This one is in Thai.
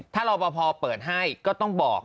ถ้าหลอบพอร์เปิดให้ก็ต้องบอก